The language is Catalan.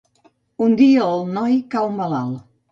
Un dia el noi cau malalt.